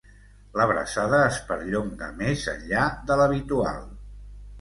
L'abraçada es perllonga més enllà de l'habitual.